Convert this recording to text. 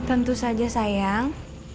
tentu saja sayang